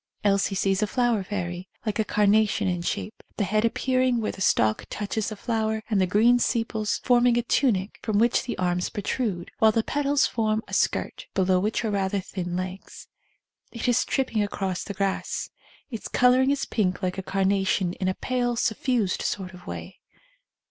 Elsie sees a flower fairy, like a carnation in shape, the head ap pearing where the stalk touches the flower and the green sepals forming a tunic from which the arms protrude, while the petals form a skirt, below which are rather thin legs. It is tripping across the grass. Its colouring is pink like a carnation in a pale, suffused sort of way.